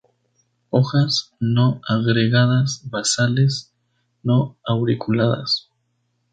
Hojas no agregadas basales; no auriculadas.